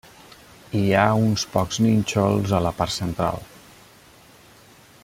Hi ha uns pocs nínxols a la part central.